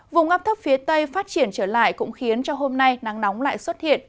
vùng ngắp thấp phía tây phát triển trở lại cũng khiến cho hôm nay nắng nóng lại xuất hiện